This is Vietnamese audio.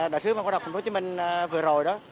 đại sứ văn hóa đọc tp hcm vừa rồi đó